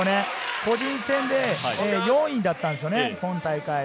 個人戦で４位だったんですよね、今大会。